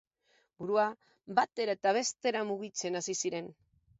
Burua batera eta bestera mugitzen hasi ziren.